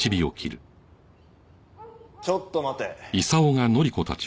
ちょっと待て。